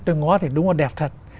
tôi ngó thì đúng là đẹp thật